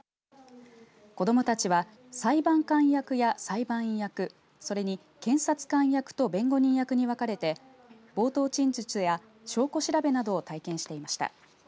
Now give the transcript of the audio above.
子どもたちは裁判官役や裁判員役それに検察官役と弁護人役に分かれて冒頭陳述や証拠調べなどを体験していました。